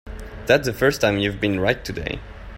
That's the first time you've been right today.